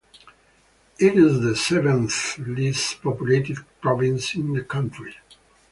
It is the seventh least populated province in the country.